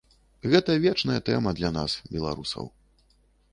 Гэта вечная тэма для нас, беларусаў.